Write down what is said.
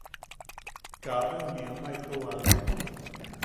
Kaabe juniʼi ama itou aane.